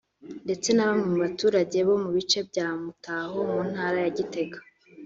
ndetse na bamwe mu baturage bo mu bice bya Mutaho mu Ntara ya Gitega